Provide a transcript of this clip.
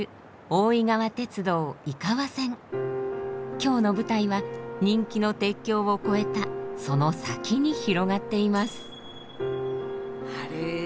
今日の舞台は人気の鉄橋を越えたその先に広がっています。